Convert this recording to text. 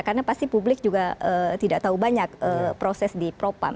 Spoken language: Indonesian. karena pasti publik juga tidak tahu banyak proses di propam